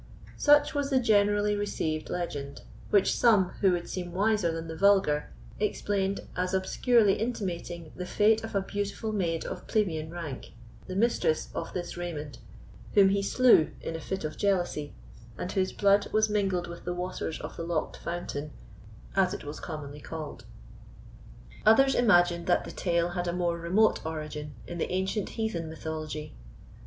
Such was the generally received legend, which some, who would seem wiser than the vulgar, explained as obscurely intimating the fate of a beautiful maid of plebeian rank, the mistress of this Raymond, whom he slew in a fit of jealousy, and whose blood was mingled with the waters of the locked fountain, as it was commonly called. Others imagined that the tale had a more remote origin in the ancient heathen mythology.